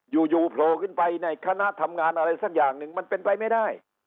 อยู่โผล่ขึ้นไปในคณะทำงานอะไรสักอย่างหนึ่งมันเป็นไปไม่ได้